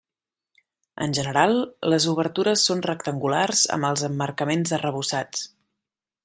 En general, les obertures són rectangulars amb els emmarcaments arrebossats.